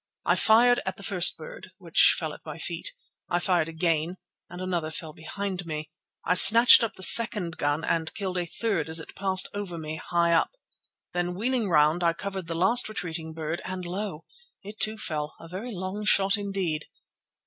I fired at the first bird, which fell at my feet. I fired again, and another fell behind me. I snatched up the second gun and killed a third as it passed over me high up. Then, wheeling round, I covered the last retreating bird, and lo! it too fell, a very long shot indeed.